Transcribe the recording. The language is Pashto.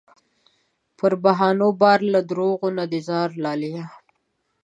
پر بهانو بار له دروغو نه دې ځار لالیه